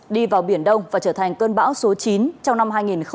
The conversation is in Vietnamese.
đi vào biển đông và trở thành cơn bão số chín trong năm hai nghìn hai mươi